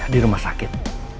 di rumah sakit